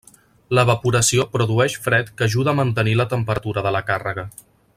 L'evaporació produeix fred que ajuda a mantenir la temperatura de la càrrega.